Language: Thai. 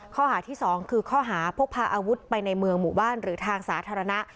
ข้อหาที่๒คือข้อหาพกพาอาวุธไปในเมืองหมู่บ้านหรือทางสาธารณะ